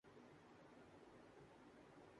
ساتھ یہ بھی بتائیے کہ گٹکے کو انگلش میں کیا کہتے ہیں